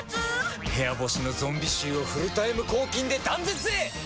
部屋干しのゾンビ臭をフルタイム抗菌で断絶へ！